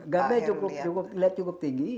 gapnya cukup tinggi